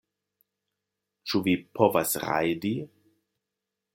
Ĉu vi povas rajdi?